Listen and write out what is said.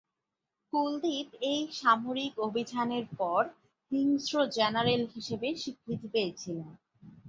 কুলদীপ এই সামরিক অভিযানের পর হিংস্র জেনারেল হিসেবে স্বীকৃতি পেয়েছিলেন।